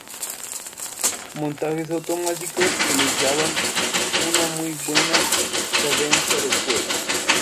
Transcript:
Montajes automáticos que les daban una muy buena cadencia de fuego.